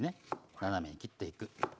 斜めに切っていく。